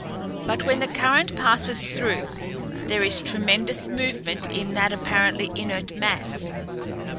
But when the current passes through there is tremendous movement in that apparently inert mass.